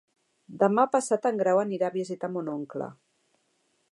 Demà passat en Grau anirà a visitar mon oncle.